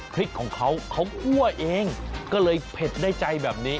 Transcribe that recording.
พริกของเขาเขาคั่วเองก็เลยเผ็ดได้ใจแบบนี้